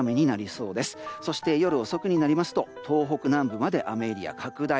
そして夜遅くになりますと東北南部まで雨エリア拡大。